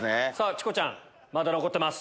チコちゃんまだ残ってます。